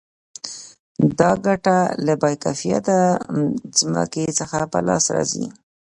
دا ګټه له با کیفیته ځمکې څخه په لاس راځي